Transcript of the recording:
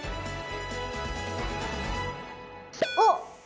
おっ！